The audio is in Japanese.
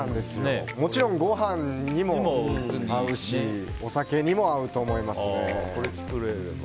もちろん、ご飯にも合うしお酒にも合うと思いますね。